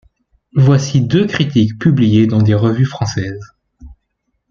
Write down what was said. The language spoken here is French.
Voici deux critiques publiées dans des revues françaises.